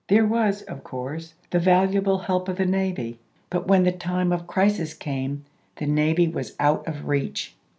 There was, of course, the valuable help of the navy, but when the time of crisis came, the navy was out of reach.